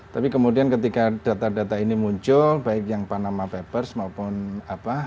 tapi kemudian ketika data data ini muncul baik yang panama papers maupun apa